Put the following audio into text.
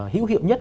hữu hiệu nhất